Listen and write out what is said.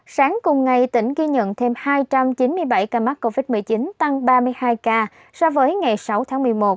sáng cùng ngày tỉnh ghi nhận thêm hai trăm chín mươi bảy ca mắc covid một mươi chín tăng ba mươi hai ca so với ngày sáu tháng một mươi một